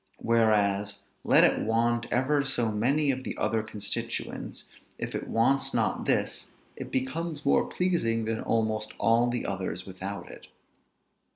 Whereas, let it want ever so many of the other constituents, if it wants not this, it becomes more pleasing than almost all the others without it.